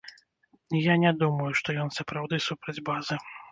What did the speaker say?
Я не думаю, што ён сапраўды супраць базы.